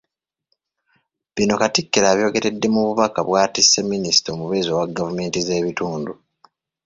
Bino Katikkiro abyogeredde mu bubaka bw’atisse minisita omubeezi owa gavumenti ez’ebitundu.